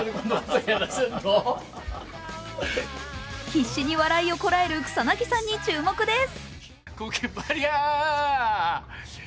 必死に笑いをこらえる草なぎさんに注目です。